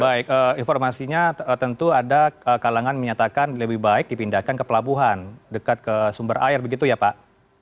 baik informasinya tentu ada kalangan menyatakan lebih baik dipindahkan ke pelabuhan dekat ke sumber air begitu ya pak